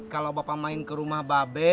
kalau bapak main ke rumah babe